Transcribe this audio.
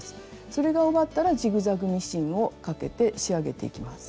それが終わったらジグザグミシンをかけて仕上げていきます。